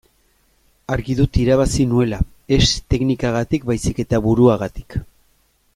Argi dut irabazi nuela ez teknikagatik baizik eta buruagatik.